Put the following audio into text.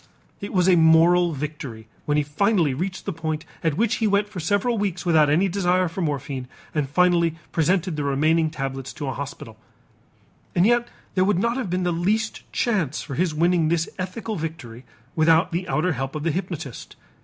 It was a moral victory when he finally reached the point at which he went for several weeks without any desire for morphine and finally presented the remaining tablets to a hospital. And yet there would not have been the least chance for his winning this ethical victory without the outer help of the hypnotist.